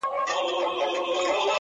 هر کور کي لږ غم شته او لږ چوپتيا,